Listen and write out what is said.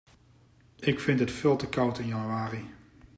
Ik vindt het veel te koud in januari.